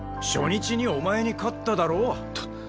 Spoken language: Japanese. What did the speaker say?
初日にお前に勝っただろ？た